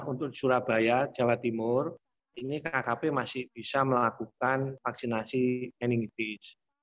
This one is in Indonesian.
untuk surabaya jawa timur ini kkp masih bisa melakukan vaksinasi meningitis